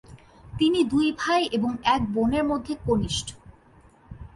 তিনি দুই ভাই এবং এক বোনের মধ্যে কনিষ্ঠ।